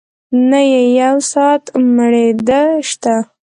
نه يې يو ساعت مړېدۀ شته